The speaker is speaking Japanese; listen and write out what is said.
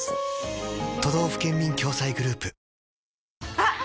あっ！